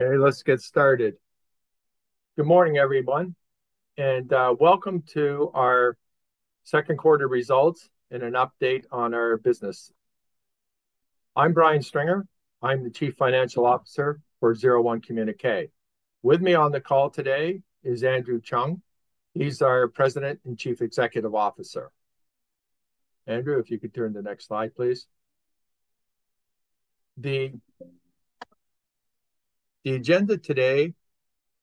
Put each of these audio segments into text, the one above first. Okay, let's get started. Good morning, everyone, and welcome to our second quarter results and an update on our business. I'm Brian Stringer. I'm the Chief Financial Officer for 01 Communique (01 Quantum). With me on the call today is Andrew Cheung. He's our President and Chief Executive Officer. Andrew, if you could turn to the next slide, please. The agenda today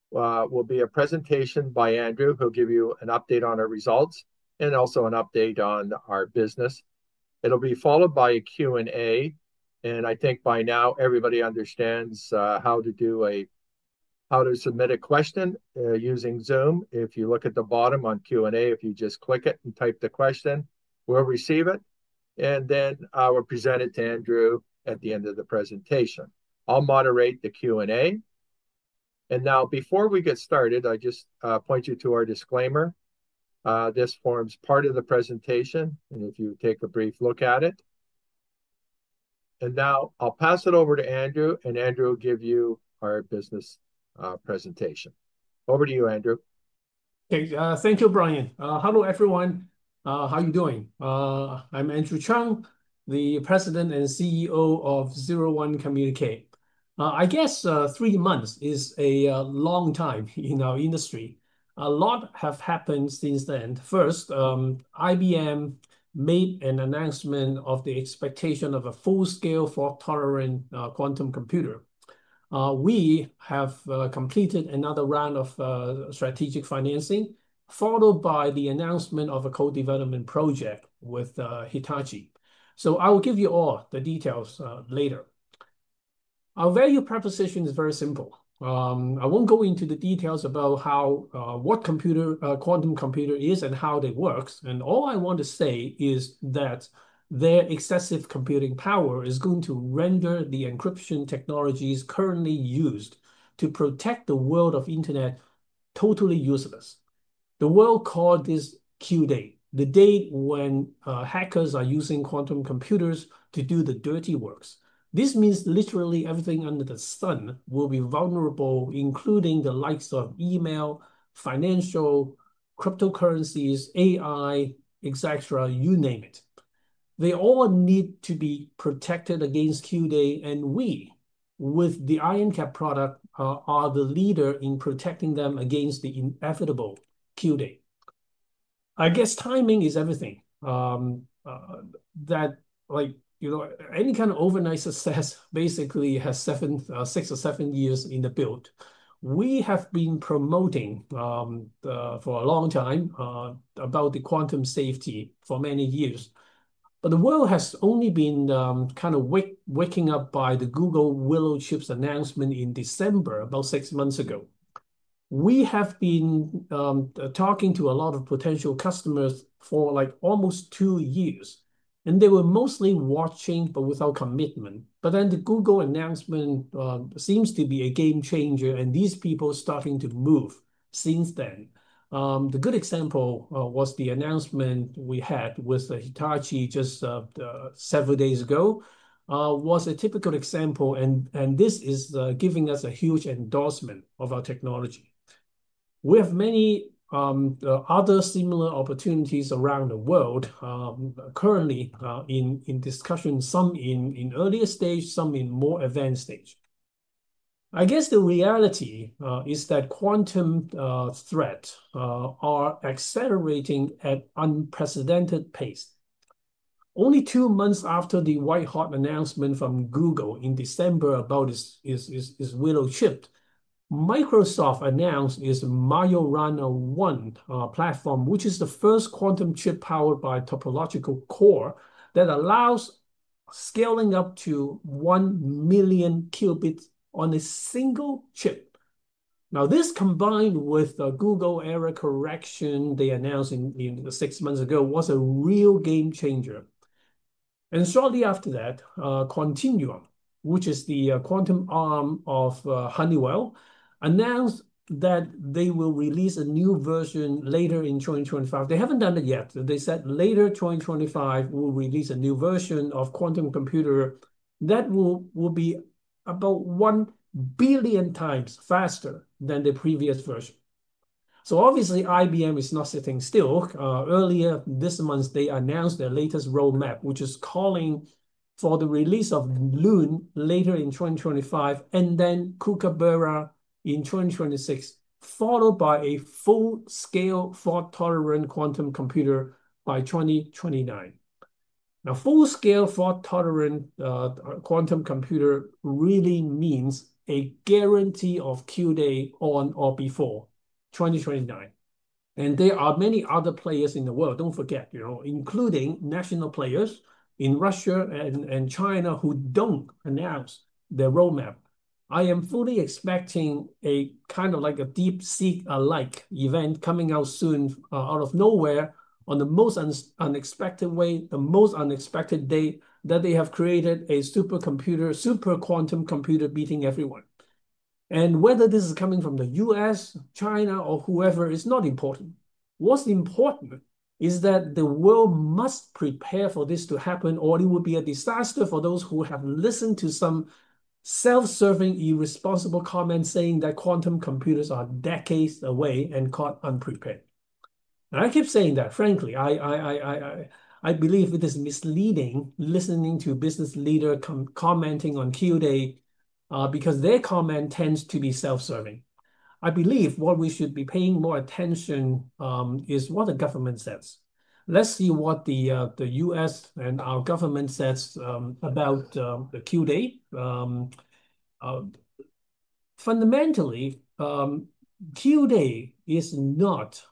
will be a presentation by Andrew, who'll give you an update on our results and also an update on our business. It'll be followed by a Q&A. I think by now everybody understands how to do a—how to submit a question using Zoom. If you look at the bottom on Q&A, if you just click it and type the question, we'll receive it. I will present it to Andrew at the end of the presentation. I'll moderate the Q&A. Now, before we get started, I just point you to our disclaimer. This forms part of the presentation. If you take a brief look at it. Now I'll pass it over to Andrew, and Andrew will give you our business presentation. Over to you, Andrew. Thank you, Brian. Hello, everyone. How are you doing? I'm Andrew Cheung, the President and CEO of 01 Communicare. I guess three months is a long time in our industry. A lot has happened since then. First, IBM made an announcement of the expectation of a full-scale fault-tolerant quantum computer. We have completed another round of strategic financing, followed by the announcement of a co-development project with Hitachi. I will give you all the details later. Our value proposition is very simple. I won't go into the details about what quantum computers are and how they work. All I want to say is that their excessive computing power is going to render the encryption technologies currently used to protect the world of the internet totally useless. The world called this Q-Day, the day when hackers are using quantum computers to do the dirty works. This means literally everything under the sun will be vulnerable, including the likes of email, financial, cryptocurrencies, AI, et cetera, you name it. They all need to be protected against Q-Day. We, with the IronCap product, are the leader in protecting them against the inevitable Q-Day. I guess timing is everything. Any kind of overnight success basically has six or seven years in the build. We have been promoting for a long time about the quantum safety for many years. The world has only been kind of waking up by the Google Willow chip announcement in December, about six months ago. We have been talking to a lot of potential customers for almost two years. They were mostly watching, but without commitment. The Google announcement seems to be a game changer, and these people are starting to move since then. The good example was the announcement we had with Hitachi just several days ago was a typical example. This is giving us a huge endorsement of our technology. We have many other similar opportunities around the world currently in discussion, some in earlier stage, some in more advanced stage. I guess the reality is that quantum threats are accelerating at unprecedented pace. Only two months after the white-hot announcement from Google in December about its Willow chip, Microsoft announced its Majorana 1 platform, which is the first quantum chip powered by a topological core that allows scaling up to 1 million qubits on a single chip. This combined with the Google error correction they announced six months ago was a real game changer. Shortly after that, Quantinuum, which is the quantum arm of Honeywell, announced that they will release a new version later in 2025. They haven't done it yet. They said later in 2025, we'll release a new version of quantum computers that will be about 1 billion times faster than the previous version. Obviously, IBM is not sitting still. Earlier this month, they announced their latest roadmap, which is calling for the release of Loon later in 2025, and then Kookaburra in 2026, followed by a full-scale fault-tolerant quantum computer by 2029. Now, full-scale fault-tolerant quantum computers really mean a guarantee of Q-Day on or before 2029. There are many other players in the world, don't forget, including national players in Russia and China who don't announce their roadmap. I am fully expecting a kind of like a DeepSeek-alike event coming out soon out of nowhere in the most unexpected way, the most unexpected day that they have created a supercomputer, super quantum computer beating everyone. Whether this is coming from the U.S., China, or whoever is not important. What is important is that the world must prepare for this to happen, or it will be a disaster for those who have listened to some self-serving, irresponsible comments saying that quantum computers are decades away and caught unprepared. I keep saying that, frankly. I believe it is misleading listening to business leaders commenting on Q-Day because their comment tends to be self-serving. I believe what we should be paying more attention to is what the government says. Let's see what the U.S. and our government says about the Q-Day. Fundamentally, Q-Day is not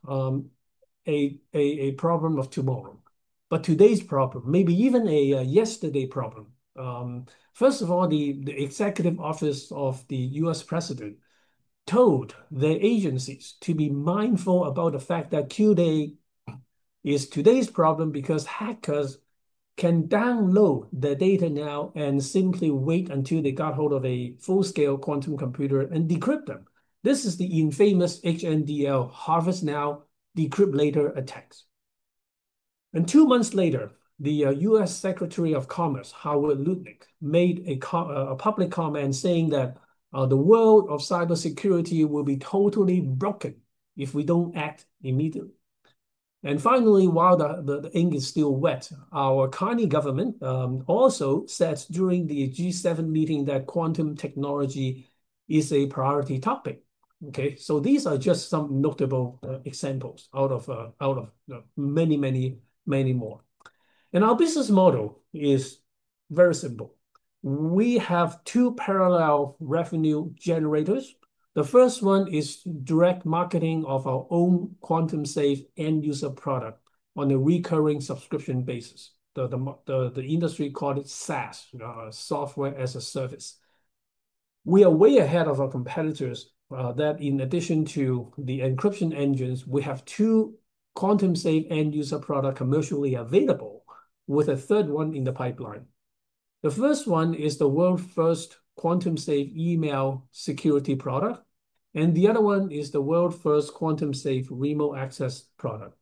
a problem of tomorrow, but today's problem, maybe even a yesterday problem. First of all, the Executive Office of the U.S. President told the agencies to be mindful about the fact that Q-Day is today's problem because hackers can download the data now and simply wait until they got hold of a full-scale quantum computer and decrypt them. This is the infamous HNDL, Harvest Now, Decrypt Later attacks. Two months later, the U.S. Secretary of Commerce, Howard Lutnick, made a public comment saying that the world of cybersecurity will be totally broken if we do not act immediately. Finally, while the ink is still wet, our Canadian government also said during the G7 meeting that quantum technology is a priority topic. These are just some notable examples out of many, many, many more. Our business model is very simple. We have two parallel revenue generators. The first one is direct marketing of our own quantum-safe end-user product on a recurring subscription basis. The industry called it SaaS, software as a service. We are way ahead of our competitors that in addition to the encryption engines, we have two quantum-safe end-user products commercially available with a third one in the pipeline. The first one is the world's first quantum-safe email security product. The other one is the world's first quantum-safe remote access product.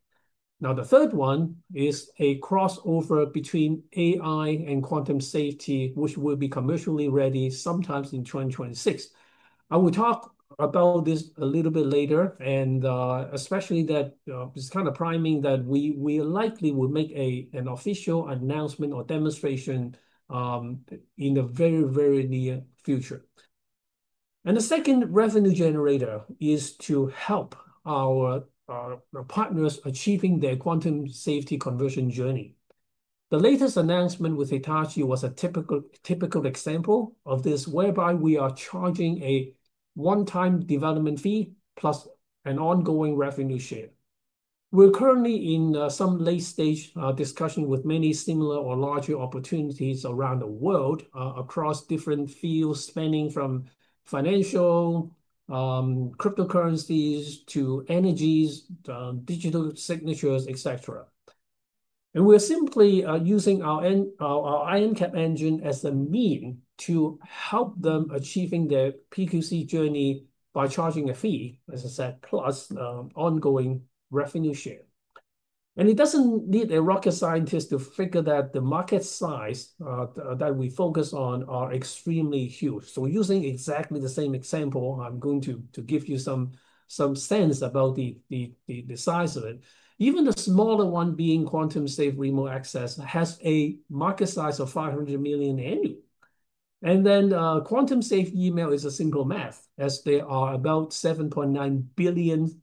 The third one is a crossover between AI and quantum safety, which will be commercially ready sometime in 2026. I will talk about this a little bit later, and especially that it's kind of priming that we likely will make an official announcement or demonstration in the very, very near future. The second revenue generator is to help our partners achieving their quantum safety conversion journey. The latest announcement with Hitachi was a typical example of this, whereby we are charging a one-time development fee plus an ongoing revenue share. We're currently in some late-stage discussion with many similar or larger opportunities around the world across different fields, spanning from financial, cryptocurrencies, to energies, digital signatures, et cetera. We're simply using our IronCap engine as a means to help them achieve their PQC journey by charging a fee, as I said, plus ongoing revenue share. It does not need a rocket scientist to figure that the market size that we focus on are extremely huge. Using exactly the same example, I'm going to give you some sense about the size of it. Even the smaller one being quantum-safe remote access has a market size of $500 million annually. Quantum-safe email is a single math, as there are about 7.9 billion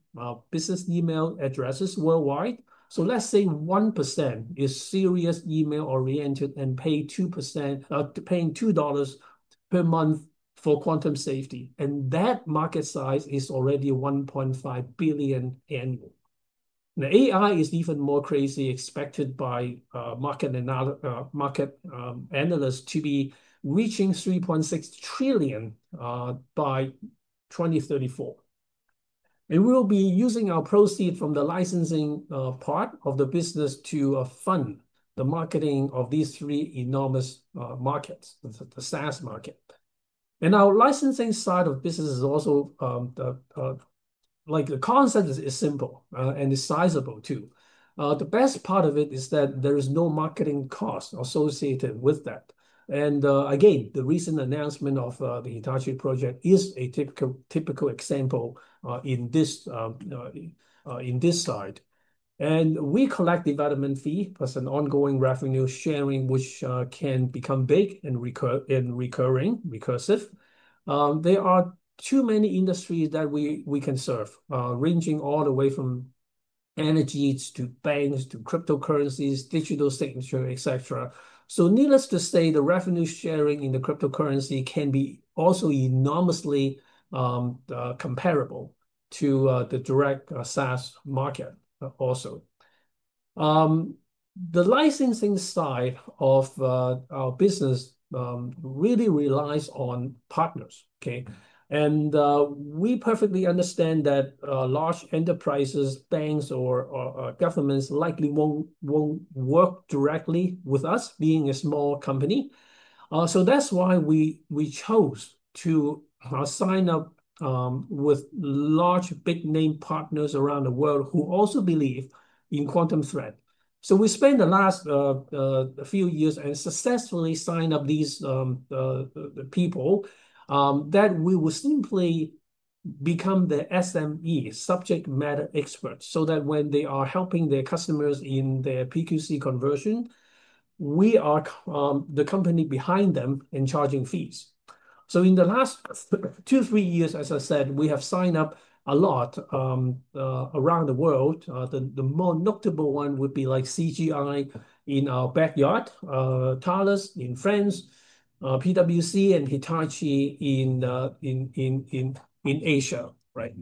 business email addresses worldwide. Let's say 1% is serious email-oriented and paying $2 per month for quantum safety. That market size is already $1.5 billion annually. The AI is even more crazy, expected by market analysts to be reaching $3.6 trillion by 2034. We will be using our proceeds from the licensing part of the business to fund the marketing of these three enormous markets, the SaaS market. Our licensing side of business is also like the concept is simple and it's sizable too. The best part of it is that there is no marketing cost associated with that. The recent announcement of the Hitachi project is a typical example in this slide. We collect development fee plus an ongoing revenue sharing, which can become big and recurring, recursive. There are too many industries that we can serve, ranging all the way from energies to banks to cryptocurrencies, digital signature, et cetera. Needless to say, the revenue sharing in the cryptocurrency can be also enormously comparable to the direct SaaS market also. The licensing side of our business really relies on partners. Okay. We perfectly understand that large enterprises, banks, or governments likely will not work directly with us being a small company. That is why we chose to sign up with large big-name partners around the world who also believe in quantum threat. We spent the last few years and successfully signed up these people that we will simply become the SMEs, subject matter experts, so that when they are helping their customers in their PQC conversion, we are the company behind them in charging fees. In the last two, three years, as I said, we have signed up a lot around the world. The more notable one would be like CGI in our backyard, TALOS in France, PwC, and Hitachi in Asia, right?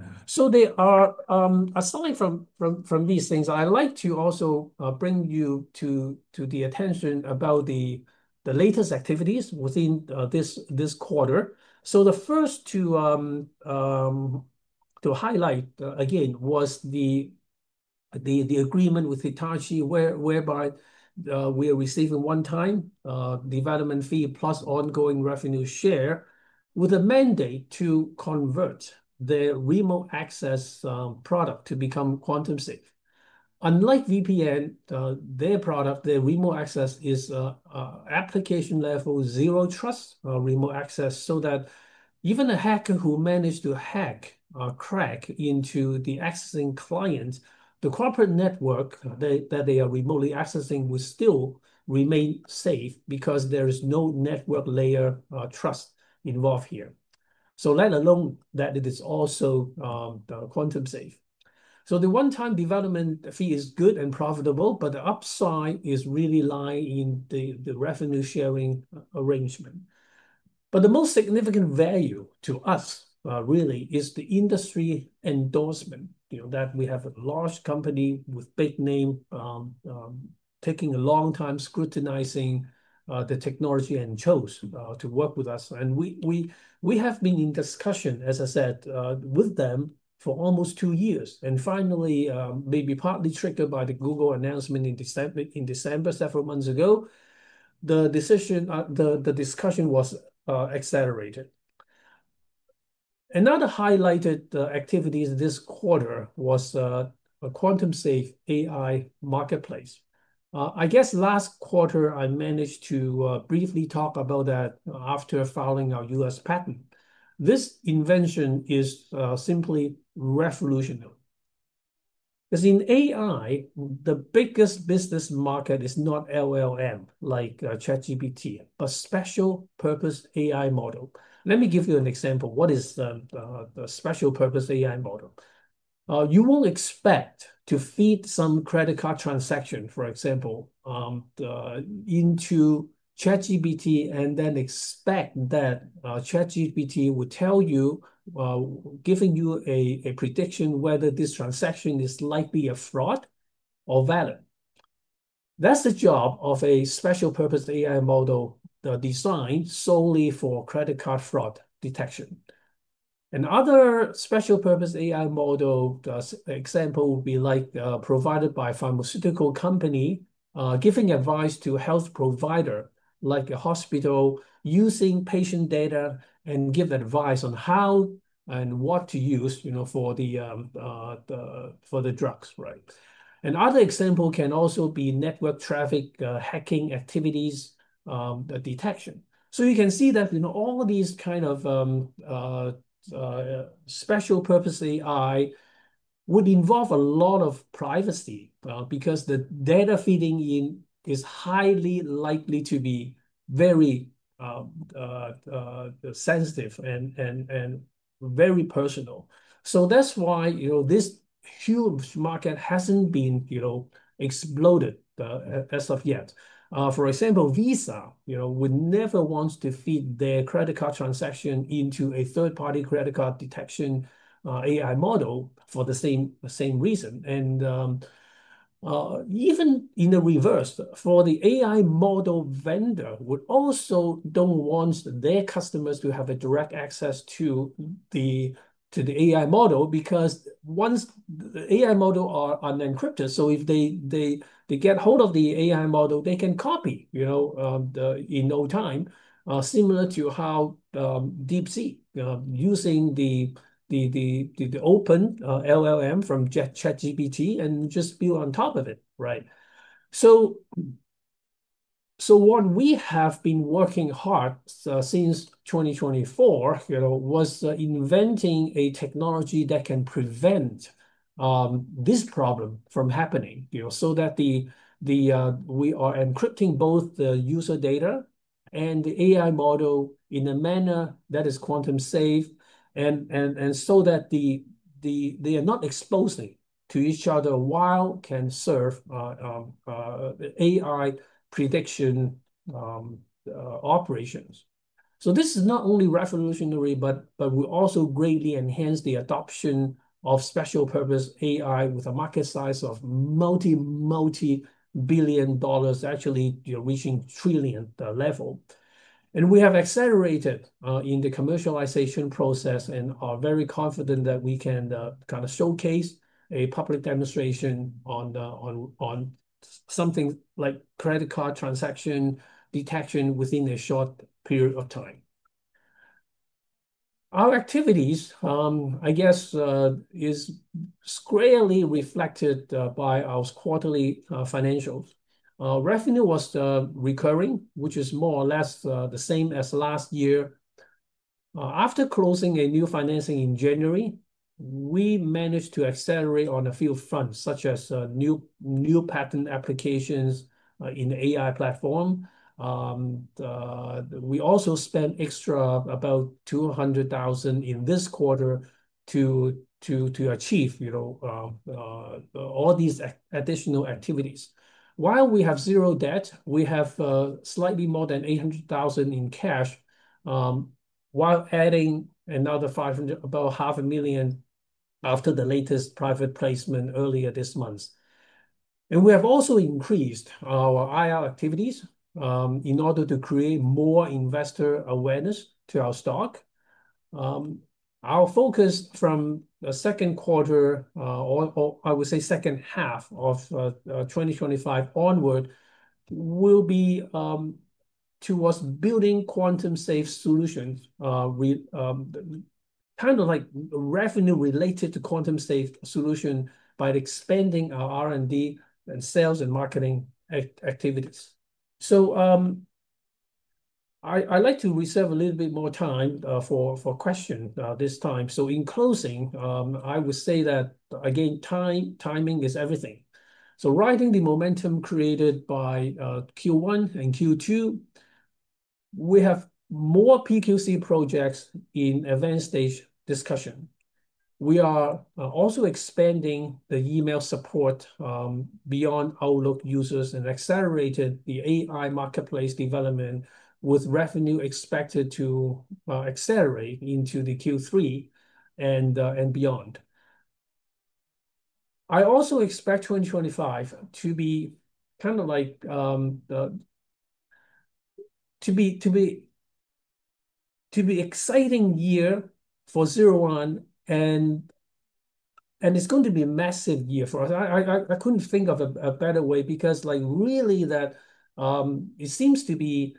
Aside from these things, I'd like to also bring you to the attention about the latest activities within this quarter. The first to highlight, again, was the agreement with Hitachi whereby we are receiving one-time development fee plus ongoing revenue share with a mandate to convert their remote access product to become quantum-safe. Unlike VPN, their product, their remote access is application-level zero trust remote access so that even a hacker who managed to hack or crack into the accessing client, the corporate network that they are remotely accessing will still remain safe because there is no network layer trust involved here. Let alone that it is also quantum-safe. The one-time development fee is good and profitable, but the upside is really lying in the revenue sharing arrangement. The most significant value to us really is the industry endorsement that we have a large company with a big name taking a long time scrutinizing the technology and chose to work with us. We have been in discussion, as I said, with them for almost two years. Finally, maybe partly triggered by the Google announcement in December several months ago, the decision, the discussion was accelerated. Another highlighted activity this quarter was a quantum-safe AI marketplace. I guess last quarter, I managed to briefly talk about that after filing our U.S. patent. This invention is simply revolutionary. Because in AI, the biggest business market is not LLM like ChatGPT, but special purpose AI model. Let me give you an example. What is the special purpose AI model? You will expect to feed some credit card transaction, for example, into ChatGPT and then expect that ChatGPT will tell you, giving you a prediction whether this transaction is likely a fraud or valid. That's the job of a special purpose AI model designed solely for credit card fraud detection. Another special purpose AI model example would be like provided by a pharmaceutical company giving advice to a health provider like a hospital using patient data and give advice on how and what to use for the drugs, right? Another example can also be network traffic hacking activities detection. You can see that all of these kind of special purpose AI would involve a lot of privacy because the data feeding is highly likely to be very sensitive and very personal. That is why this huge market has not been exploded as of yet. For example, Visa would never want to feed their credit card transaction into a third-party credit card detection AI model for the same reason. Even in the reverse, the AI model vendor would also not want their customers to have direct access to the AI model because once the AI model is unencrypted, if they get hold of the AI model, they can copy it in no time, similar to how DeepSeek is using the open LLM from ChatGPT and just building on top of it, right? What we have been working hard since 2024 was inventing a technology that can prevent this problem from happening so that we are encrypting both the user data and the AI model in a manner that is quantum-safe and so that they are not exposing to each other while can serve AI prediction operations. This is not only revolutionary, but we also greatly enhance the adoption of special-purpose AI with a market size of multi, multi-billion dollars, actually reaching trillion level. We have accelerated in the commercialization process and are very confident that we can kind of showcase a public demonstration on something like credit card transaction detection within a short period of time. Our activities, I guess, is squarely reflected by our quarterly financials. Revenue was recurring, which is more or less the same as last year. After closing a new financing in January, we managed to accelerate on a few fronts, such as new patent applications in the AI platform. We also spent an extra $200,000 in this quarter to achieve all these additional activities. While we have zero debt, we have slightly more than $800,000 in cash while adding another $500,000 after the latest private placement earlier this month. We have also increased our IR activities in order to create more investor awareness to our stock. Our focus from the second quarter, or I would say second half of 2025 onward, will be towards building quantum-safe solutions, kind of like revenue-related to quantum-safe solution by expanding our R&D and sales and marketing activities. I would like to reserve a little bit more time for questions this time. In closing, I would say that, again, timing is everything. Riding the momentum created by Q1 and Q2, we have more PQC projects in advanced stage discussion. We are also expanding the email support beyond Outlook users and accelerated the AI marketplace development with revenue expected to accelerate into Q3 and beyond. I also expect 2025 to be kind of like to be exciting year for 01, and it's going to be a massive year for us. I couldn't think of a better way because really that it seems to be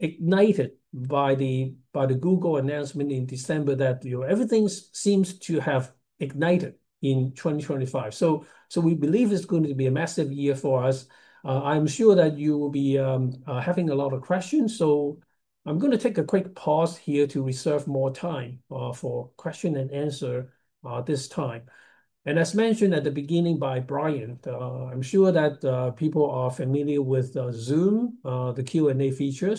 ignited by the Google announcement in December that everything seems to have ignited in 2025. We believe it's going to be a massive year for us. I'm sure that you will be having a lot of questions. I'm going to take a quick pause here to reserve more time for question and answer this time. As mentioned at the beginning by Brian, I am sure that people are familiar with Zoom, the Q&A feature.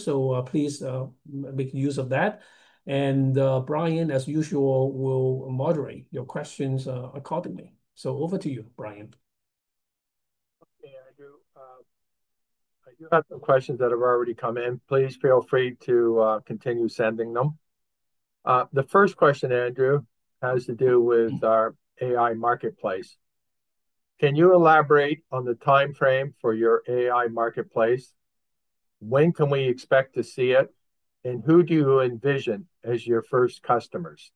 Please make use of that. Brian, as usual, will moderate your questions accordingly. Over to you, Brian. Okay, Andrew. I do have some questions that have already come in. Please feel free to continue sending them. The first question, Andrew, has to do with our AI marketplace. Can you elaborate on the timeframe for your AI marketplace? When can we expect to see it? Who do you envision as your first customers?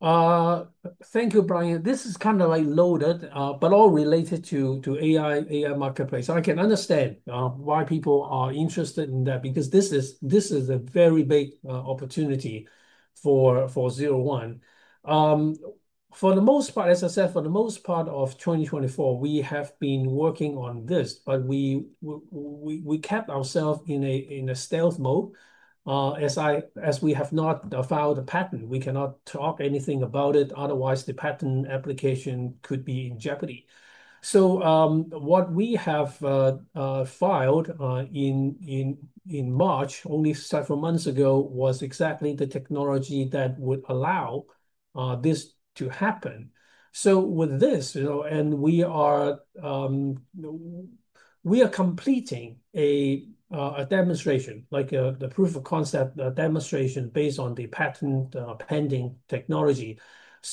Thank you, Brian. This is kind of loaded, but all related to AI marketplace. I can understand why people are interested in that because this is a very big opportunity for 01. For the most part, as I said, for the most part of 2024, we have been working on this, but we kept ourselves in a stealth mode. As we have not filed a patent, we cannot talk anything about it. Otherwise, the patent application could be in jeopardy. What we have filed in March, only several months ago, was exactly the technology that would allow this to happen. With this, and we are completing a demonstration, like the proof of concept demonstration based on the patent pending technology.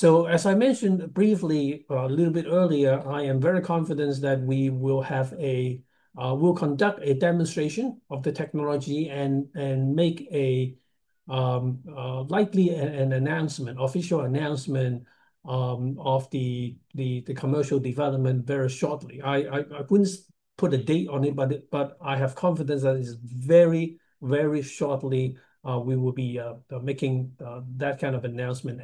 As I mentioned briefly a little bit earlier, I am very confident that we will conduct a demonstration of the technology and make a likely an announcement, official announcement of the commercial development very shortly. I could not put a date on it, but I have confidence that it is very, very shortly we will be making that kind of announcement.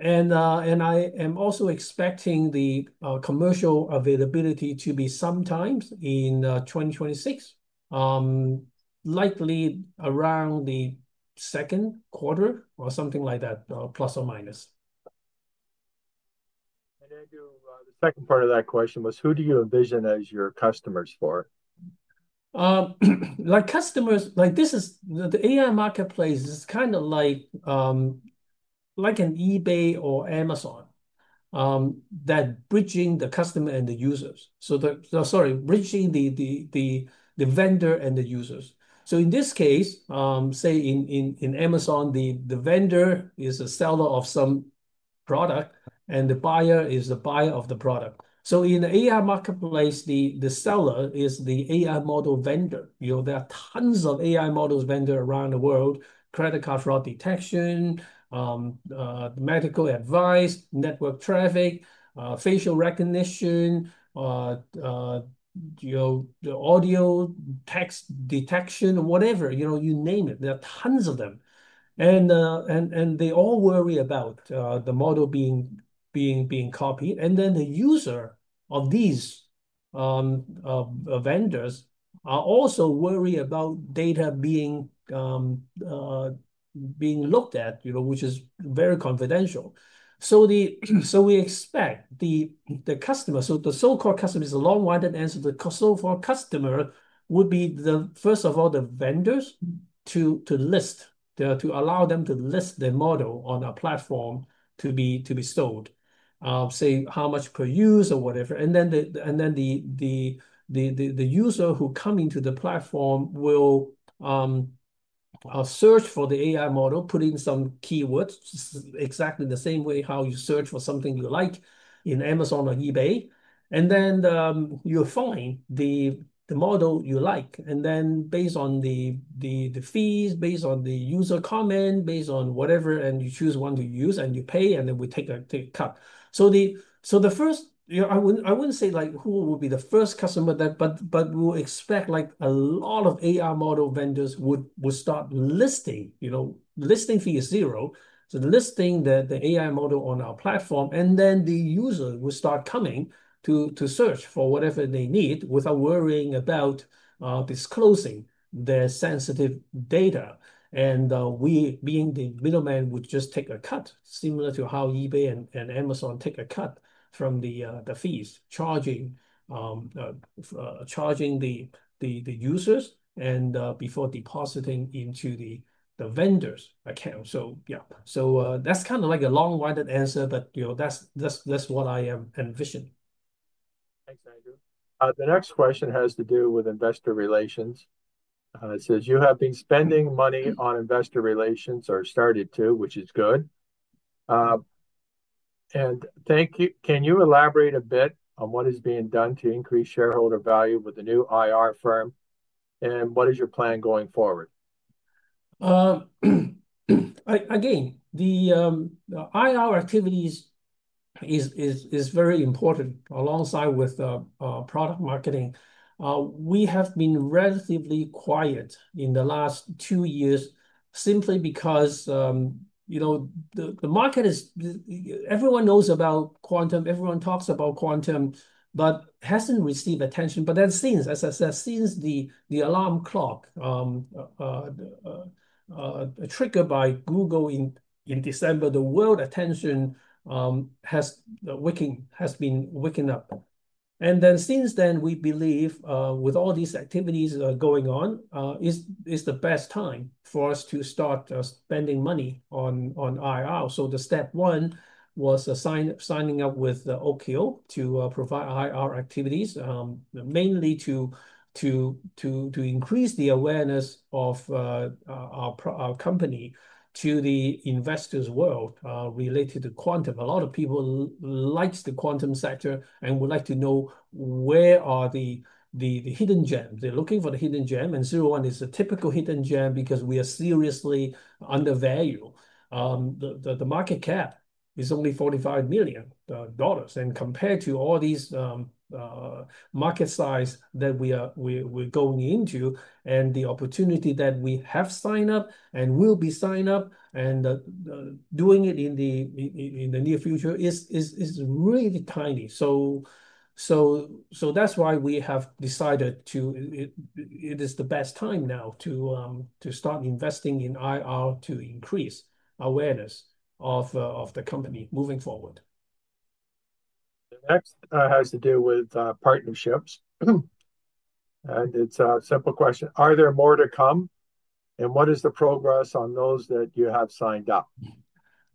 I am also expecting the commercial availability to be sometime in 2026, likely around the second quarter or something like that, plus or minus. Andrew, the second part of that question was, who do you envision as your customers for? Like customers, like this is the AI marketplace is kind of like an eBay or Amazon that bridging the customer and the users. Sorry, bridging the vendor and the users. In this case, say in Amazon, the vendor is a seller of some product and the buyer is the buyer of the product. In the AI marketplace, the seller is the AI model vendor. There are tons of AI models vendor around the world, credit card fraud detection, medical advice, network traffic, facial recognition, audio text detection, whatever, you name it. There are tons of them. And they all worry about the model being copied. The user of these vendors is also worried about data being looked at, which is very confidential. We expect the customer, so the so-called customer is a long-winded answer. The so-called customer would be, first of all, the vendors to list, to allow them to list their model on our platform to be sold, say, how much per use or whatever. The user who comes into the platform will search for the AI model, put in some keywords exactly the same way how you search for something you like in Amazon or eBay. You will find the model you like. Based on the fees, based on the user comment, based on whatever, you choose one to use and you pay, and then we take a cut. The first, I would not say who would be the first customer, but we expect a lot of AI model vendors would start listing. Listing fee is zero. Listing the AI model on our platform, and then the user will start coming to search for whatever they need without worrying about disclosing their sensitive data. We, being the middleman, would just take a cut, similar to how eBay and Amazon take a cut from the fees, charging the users before depositing into the vendors' accounts. Yeah, that is kind of like a long-winded answer, but that is what I envision. Thanks, Andrew. The next question has to do with investor relations. It says, you have been spending money on investor relations or started to, which is good. Can you elaborate a bit on what is being done to increase shareholder value with the new IR firm? What is your plan going forward? Again, the IR activities is very important alongside with product marketing. We have been relatively quiet in the last two years simply because the market is everyone knows about quantum, everyone talks about quantum, but has not received attention. Since, as I said, since the alarm clock triggered by Google in December, the world attention has been waking up. Since then, we believe with all these activities going on, it is the best time for us to start spending money on IR. The step one was signing up with OKO to provide IR activities, mainly to increase the awareness of our company to the investors' world related to quantum. A lot of people like the quantum sector and would like to know where are the hidden gems. They're looking for the hidden gem, and 01 is a typical hidden gem because we are seriously undervalued. The market cap is only $45 million. Compared to all these market sizes that we're going into and the opportunity that we have signed up and will be signed up and doing it in the near future is really tiny. That is why we have decided it is the best time now to start investing in IR to increase awareness of the company moving forward. The next has to do with partnerships. It's a simple question. Are there more to come? What is the progress on those that you have signed up?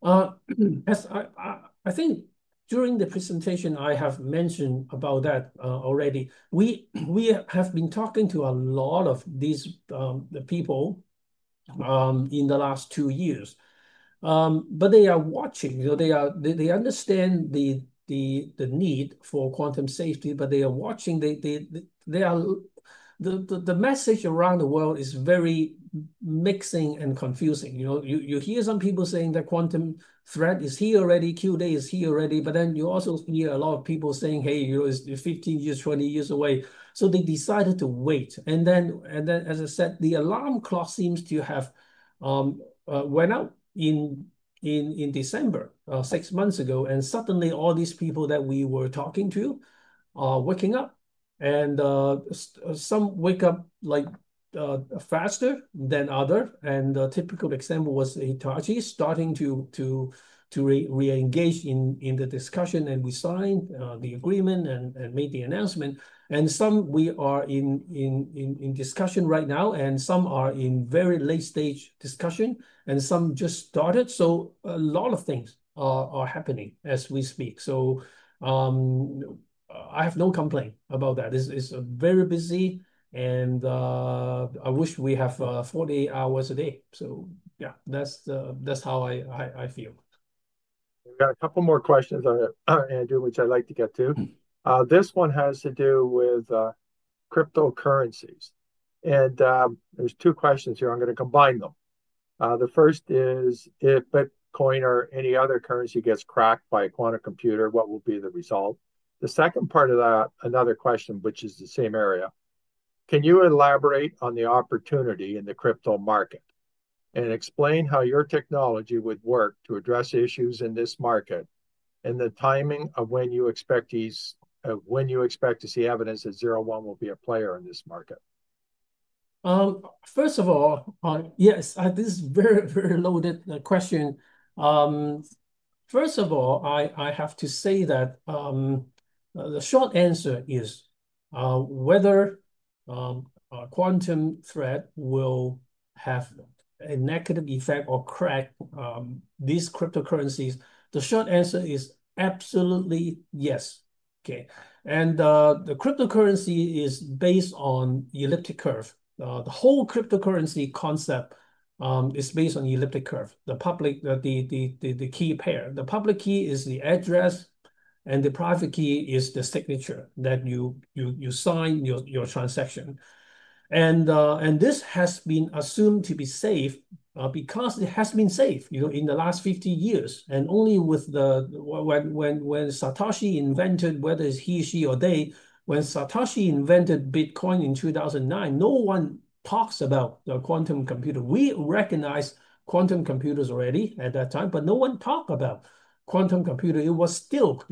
I think during the presentation, I have mentioned about that already. We have been talking to a lot of these people in the last two years. They are watching. They understand the need for quantum safety, but they are watching. The message around the world is very mixed and confusing. You hear some people saying that quantum threat is here already, Q-Day is here already, but then you also hear a lot of people saying, "Hey, it's 15 years, 20 years away." They decided to wait. As I said, the alarm clock seems to have gone off in December, six months ago, and suddenly all these people that we were talking to are waking up. Some wake up faster than others. The typical example was Hitachi starting to re-engage in the discussion, and we signed the agreement and made the announcement. Some we are in discussion with right now, and some are in very late-stage discussion, and some just started. A lot of things are happening as we speak. I have no complaint about that. It's very busy, and I wish we have 48 hours a day. Yeah, that's how I feel. We've got a couple more questions on it, Andrew, which I'd like to get to. This one has to do with cryptocurrencies. There's two questions here. I'm going to combine them. The first is, if Bitcoin or any other currency gets cracked by a quantum computer, what will be the result? The second part of that, another question, which is the same area. Can you elaborate on the opportunity in the crypto market and explain how your technology would work to address issues in this market and the timing of when you expect to see evidence that 01 will be a player in this market? First of all, yes, this is a very, very loaded question. First of all, I have to say that the short answer is whether quantum threat will have a negative effect or crack these cryptocurrencies. The short answer is absolutely yes. Okay. And the cryptocurrency is based on elliptic curve. The whole cryptocurrency concept is based on elliptic curve, the public, the key pair. The public key is the address, and the private key is the signature that you sign your transaction. This has been assumed to be safe because it has been safe in the last 50 years. Only when Satoshi invented, whether it's he, she, or they, when Satoshi invented Bitcoin in 2009, no one talks about the quantum computer. We recognized quantum computers already at that time, but no one talked about quantum computer. It was still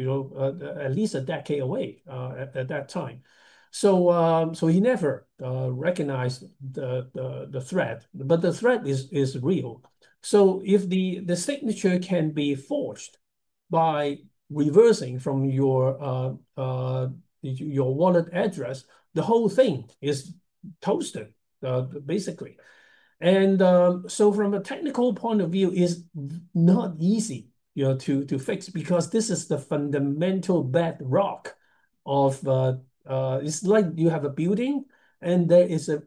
at least a decade away at that time. He never recognized the threat, but the threat is real. If the signature can be forged by reversing from your wallet address, the whole thing is toasted, basically. From a technical point of view, it's not easy to fix because this is the fundamental bedrock of—it's like you have a building, and there is a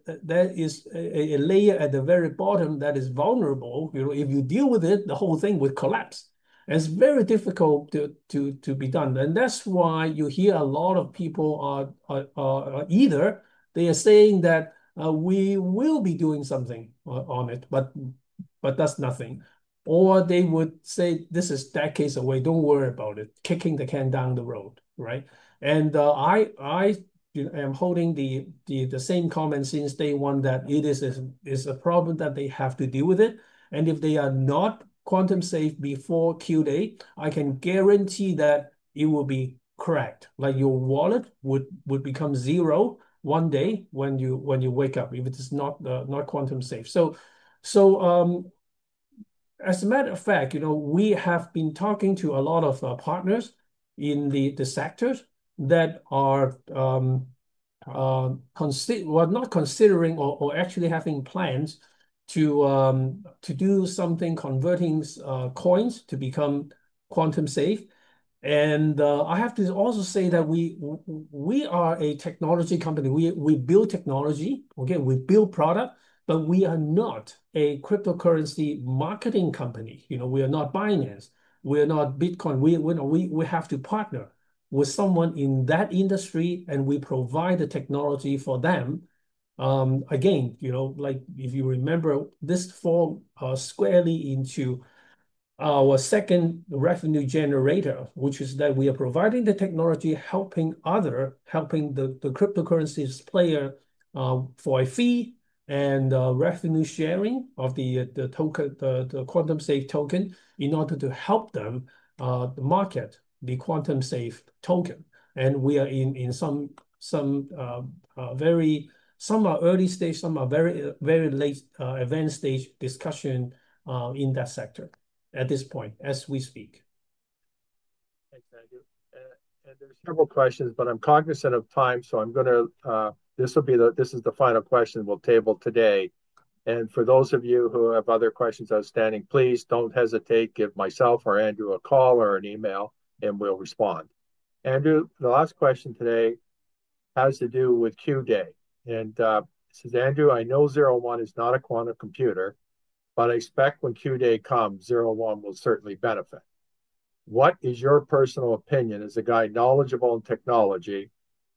layer at the very bottom that is vulnerable. If you deal with it, the whole thing would collapse. It's very difficult to be done. That's why you hear a lot of people either saying that we will be doing something on it, but that's nothing. Or they would say, "This is decades away. Don't worry about it," kicking the can down the road, right? I am holding the same comment since day one that it is a problem that they have to deal with. If they are not quantum safe before Q-Day, I can guarantee that it will be cracked. Your wallet would become zero one day when you wake up if it's not quantum safe. As a matter of fact, we have been talking to a lot of partners in the sectors that are not considering or actually having plans to do something converting coins to become quantum safe. I have to also say that we are a technology company. We build technology, okay? We build product, but we are not a cryptocurrency marketing company. We are not Binance. We are not Bitcoin. We have to partner with someone in that industry, and we provide the technology for them. Again, if you remember, this falls squarely into our second revenue generator, which is that we are providing the technology, helping the cryptocurrency player for a fee and revenue sharing of the quantum-safe token in order to help them market the quantum-safe token. We are in some very, some are early stage, some are very late advanced stage discussion in that sector at this point as we speak. Thanks, Andrew. There are several questions, but I'm cognizant of time, so I'm going to, this will be the, this is the final question we'll table today. For those of you who have other questions outstanding, please don't hesitate to give myself or Andrew a call or an email, and we'll respond. Andrew, the last question today has to do with Q&A. It says, "Andrew, I know 01 is not a quantum computer, but I expect when Q&A comes, 01 will certainly benefit. What is your personal opinion as a guy knowledgeable in technology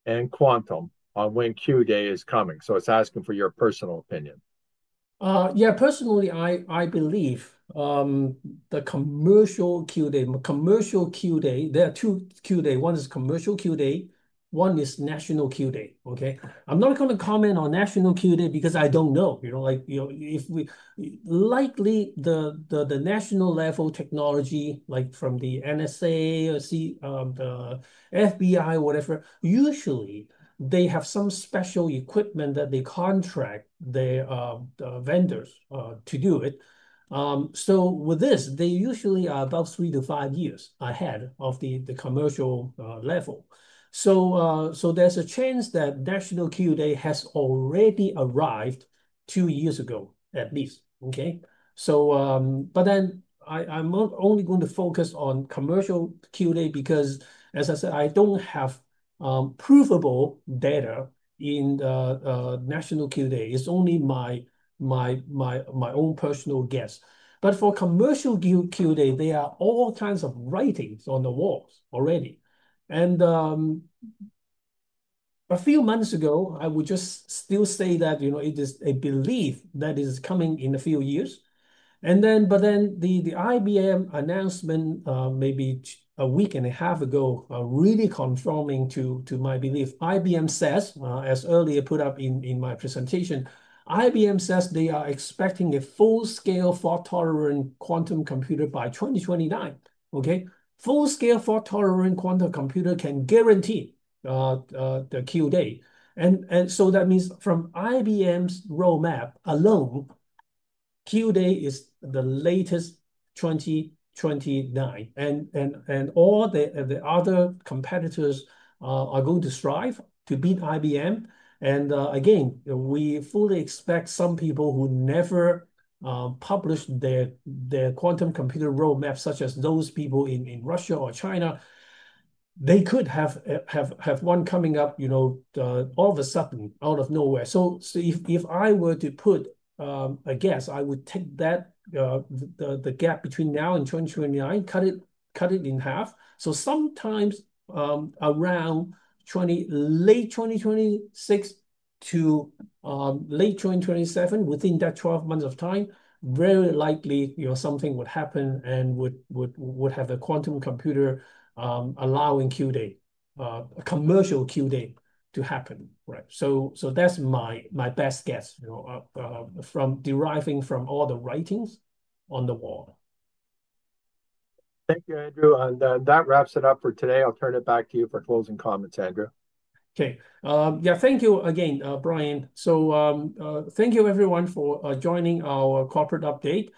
and quantum on when Q&A is coming?" It is asking for your personal opinion. Yeah, personally, I believe the commercial Q&A, commercial Q&A, there are two Q&A. One is commercial Q&A. One is national Q&A. I am not going to comment on national Q&A because I do not know. Likely the national level technology, like from the NSA or the FBI or whatever, usually they have some special equipment that they contract their vendors to do it. With this, they usually are about three to five years ahead of the commercial level. There is a chance that national Q&A has already arrived two years ago at least. I am only going to focus on commercial Q&A because, as I said, I do not have provable data in national Q&A. It is only my own personal guess. For commercial Q&A, there are all kinds of writings on the walls already. A few months ago, I would still say that it is a belief that is coming in a few years. The IBM announcement maybe a week and a half ago really confirmed my belief. IBM says, as earlier put up in my presentation, they are expecting a full-scale fault-tolerant quantum computer by 2029. A full-scale fault-tolerant quantum computer can guarantee the Q&A. That means from IBM's roadmap alone, Q&A is at the latest 2029. All the other competitors are going to strive to beat IBM. Again, we fully expect some people who never published their quantum computer roadmap, such as those people in Russia or China, they could have one coming up all of a sudden out of nowhere. If I were to put a guess, I would take that the gap between now and 2029, cut it in half. Sometimes around late 2026 to late 2027, within that 12 months of time, very likely something would happen and would have a quantum computer allowing Q&A, a commercial Q&A to happen, right? That is my best guess from deriving from all the writings on the wall. Thank you, Andrew. That wraps it up for today. I will turn it back to you for closing comments, Andrew. Okay. Thank you again, Brian. Thank you, everyone, for joining our corporate update.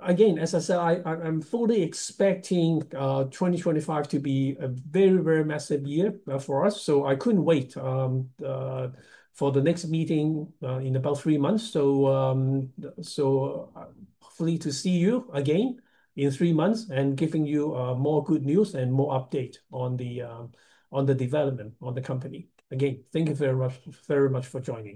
Again, as I said, I'm fully expecting 2025 to be a very, very massive year for us. I couldn't wait for the next meeting in about three months. Hopefully to see you again in three months and giving you more good news and more updates on the development on the company. Again, thank you very much for joining.